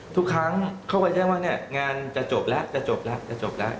ทุกครั้งเขาก็แจ้งว่าเนี่ยงานจะจบแล้วจะจบแล้วจะจบแล้ว